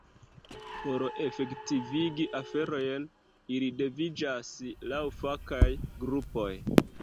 Por efektivigi aferojn, ili dividiĝas laŭ fakaj grupoj.